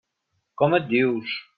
Com et dius?